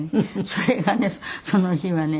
それがねその日はね